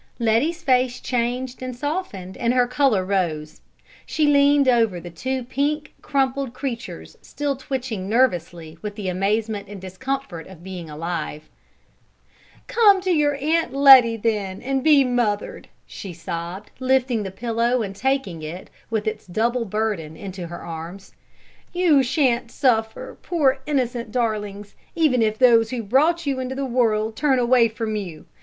Letty's face changed and softened and her color rose. She leaned over the two pink, crumpled creatures, still twitching nervously with the amazement and discomfort of being alive. [Illustration: "COME TO YOUR AUNT LETTY THEN AND BE MOTHERED!" SHE SOBBED] "Come to your Aunt Letty then and be mothered!" she sobbed, lifting the pillow and taking it, with its double burden, into her arms. "You shan't suffer, poor innocent darlings, even if those who brought you into the world turn away from you!